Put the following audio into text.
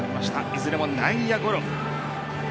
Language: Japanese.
いずれも内野ゴロ。